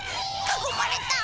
囲まれた！